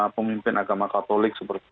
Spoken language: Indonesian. pemimpin agama katolik seperti